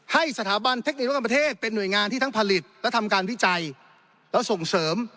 ให้สถาบันเทคนิคแล้วก็ประเทศเป็นหน่วยงานที่ทั้งผลิตและทำการวิจัยและส่งเสริม